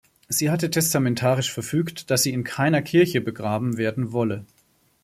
Sie hatte testamentarisch verfügt, dass sie in keiner Kirche begraben werden wolle.